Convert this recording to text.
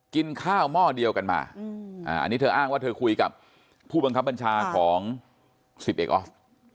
กินข้าวหม้อเดียวกันมาอันนี้เธออ้างว่าเธอคุยกับผู้บังคับบัญชาของ๑๐เอกออฟ